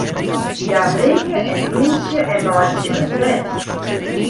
Hja drinke en dûnsje en meitsje it let.